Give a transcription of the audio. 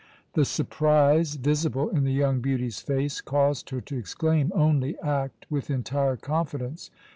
The surprise visible in the young beauty's face caused her to exclaim: "Only act with entire confidence.